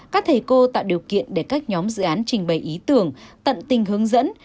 các thầy cô tạo điều kiện để các nhóm dự án trình bày ý tưởng tận tình hướng dẫn